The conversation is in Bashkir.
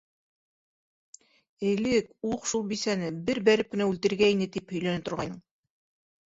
Элек, ух шул бисәне, бер бәреп кенә үлтерергә ине, тип һөйләнә торғайның.